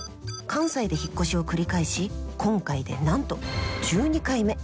関西で引っ越しを繰り返し今回でなんと１２回目。